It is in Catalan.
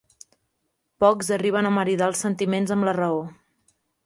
Pocs arriben a maridar els sentiments amb la raó.